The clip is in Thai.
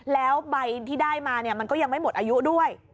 แล้วใบที่ได้มามันก็ยังไม่หมดอายุด้วย